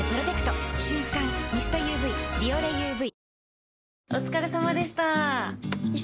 瞬感ミストＵＶ「ビオレＵＶ」